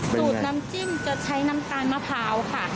สูตรน้ำจิ้มจะใช้น้ำตาลมะพร้าวค่ะ